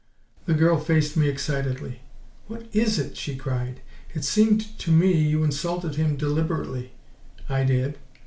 The girl faced me excitedly. "What IS it?" she cried. "It seemed to me you insulted him deliberately " "I did."